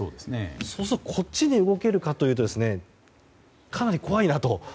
そうするとこっちに動けるかというとかなり怖いと。